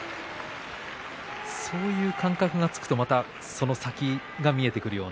そういう感覚がつくとまた、その先が見えてくるような。